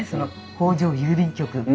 「北条郵便局」。